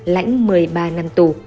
lãnh một mươi ba năm tù